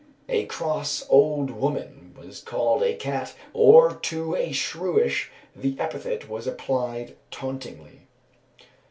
_ A cross old woman was called "a cat"; or to a shrewish, the epithet was applied tauntingly.